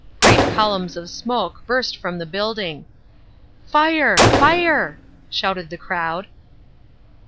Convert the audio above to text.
Great columns of smoke burst from the building. "Fire! Fire!" shouted the crowd.